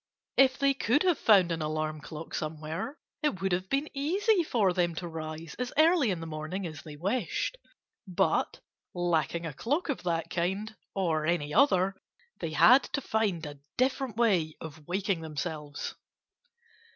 If they could have found an alarm clock somewhere it would have been easy for them to rise as early in the morning as they wished. But lacking a clock of that kind or any other they had to find a different way of waking themselves.